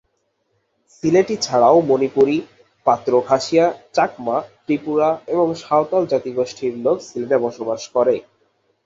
সিলেটি ছাড়াও মণিপুরী, পাত্র খাসিয়া, চাকমা, ত্রিপুরা এবং সাঁওতাল জাতিগোষ্ঠীর লোক সিলেটে বসবাস করে।